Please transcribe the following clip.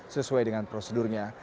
sesuai dengan prosedurnya